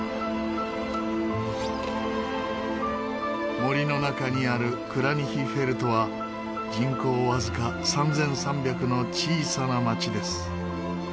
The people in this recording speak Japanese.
森の中にあるクラニヒフェルトは人口わずか３３００の小さな町です。